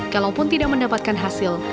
kalaupun tidak mendapatkan hasil